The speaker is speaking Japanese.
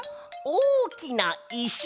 おおきないし？